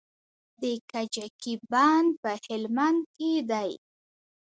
د کجکي بند په هلمند کې دی